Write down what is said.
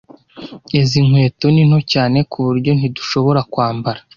Izi nkweto ni nto cyane kuburyo ntidushobora kwambara.